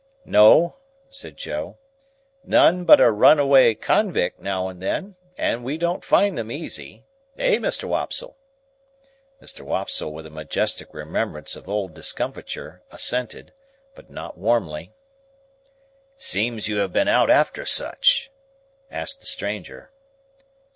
"No," said Joe; "none but a runaway convict now and then. And we don't find them, easy. Eh, Mr. Wopsle?" Mr. Wopsle, with a majestic remembrance of old discomfiture, assented; but not warmly. "Seems you have been out after such?" asked the stranger.